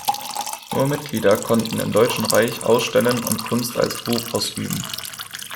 Nur Mitglieder konnten im Deutschen Reich ausstellen und Kunst als Beruf ausüben.